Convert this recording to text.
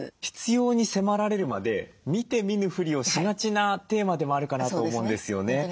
必要に迫られるまで見て見ぬふりをしがちなテーマでもあるかなと思うんですよね。